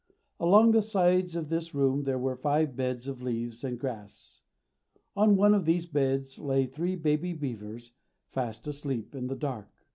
Along the sides of this room there were five beds of leaves and grass. On one of these beds lay three baby beavers fast asleep in the dark.